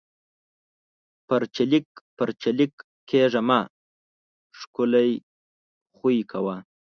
پَرچېلک پَرچېلک کېږه مه! ښکلے خوئې کوه۔